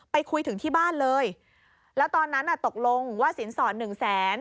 คุยถึงที่บ้านเลยแล้วตอนนั้นน่ะตกลงว่าสินสอดหนึ่งแสน